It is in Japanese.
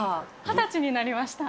２０歳になりました。